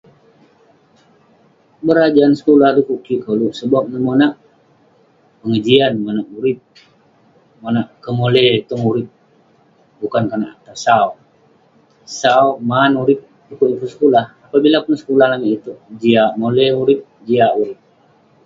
Berajan sekulah du'kuk kik koluk sebab neh monak pengejian, monak urip, monak kemole tong urip, bukan konak atah sau, sau..man urip du'kuk yeng pun sekulah..apabila pun sekulah langit itouk, jiak mole urip..jiak urip.